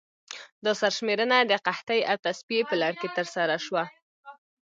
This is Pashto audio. دا سرشمېرنه د قحطۍ او تصفیې په لړ کې ترسره شوه.